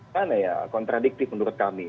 mana ya kontradiktif menurut kami